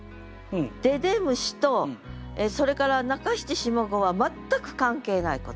「でで虫」とそれから中七下五は全く関係ないこと。